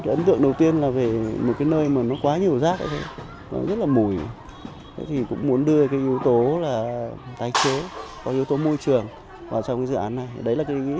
ấn tượng đầu tiên là về một nơi quá nhiều rác rất là mùi cũng muốn đưa yếu tố tái chế yếu tố môi trường vào trong dự án này